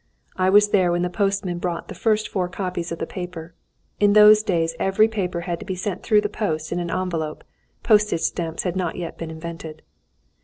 I was there when the postman brought the first four copies of the paper. In those days every paper had to be sent through the post in an envelope, postage stamps had not yet been invented....